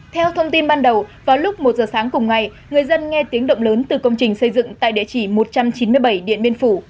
theo thông tin ban đầu vào lúc một giờ sáng cùng ngày người dân nghe tiếng động lớn từ công trình xây dựng tại địa chỉ một trăm chín mươi bảy điện biên phủ